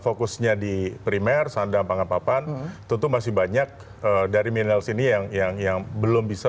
fokusnya di primer sandang panggap papan tentu masih banyak dari millenials ini yang belum bisa